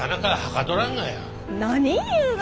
何言うが。